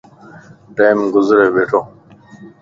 ٽيم گزري ٻيھڻو